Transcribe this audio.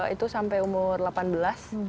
itu sampai umur delapan belas